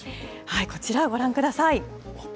こちら、ご覧ください。